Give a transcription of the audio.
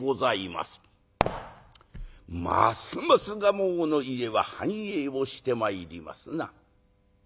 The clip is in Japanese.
ますます蒲生の家は繁栄をしてまいりますな。